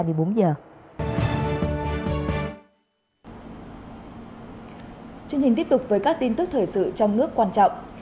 chương trình tiếp tục với các tin tức thời sự trong nước quan trọng